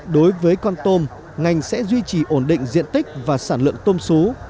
đối với con tôm ngành sẽ duy trì ổn định diện tích và sản lượng tôm sú